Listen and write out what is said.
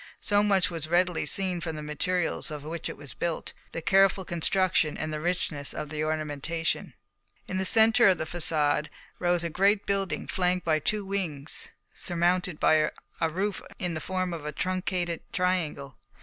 So much was readily seen from the materials of which it was built, the careful construction, and the richness of the ornamentation. In the centre of the façade rose a great building flanked by two wings surmounted by a roof in the form of a truncated triangle.